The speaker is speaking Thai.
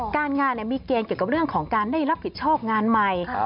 การงานมีเกณฑ์เกี่ยวกับเรื่องของการได้รับผิดชอบงานใหม่